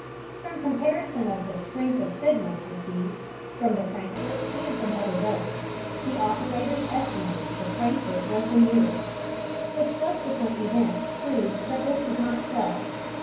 From comparison of the strength of signals received from the Frankfurt and from other boats, the operators estimated the Frankfurt was the nearest; but subsequent events proved that this was not so.